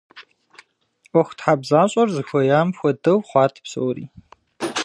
ӀуэхутхьэбзащӀэр зыхуеям хуэдэу хъуат псори.